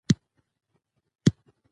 سیاسي پروسه د ولس حق دی